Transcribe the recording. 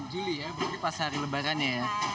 enam juli ya berarti pas hari lebaran ya